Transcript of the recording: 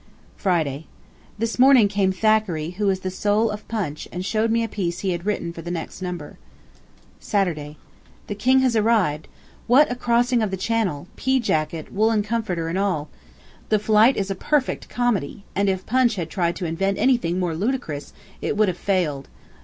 Friday. This morning came Thackeray, who is the soul of Punch, and showed me a piece he had written for the next number. Saturday. The King has arrived. What a crossing of the Channel, pea jacket, woollen comforter, and all! The flight is a perfect comedy, and if Punch had tried to invent anything more ludicrous, it would have failed.